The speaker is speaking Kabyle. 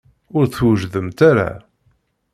Ur d-twejjdemt ara.